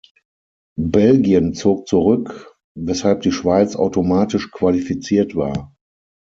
Belgien zog zurück, weshalb die Schweiz automatisch qualifiziert war.